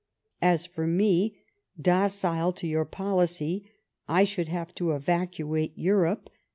As for me, docile to your policy, I should have to evacuate Eurojje.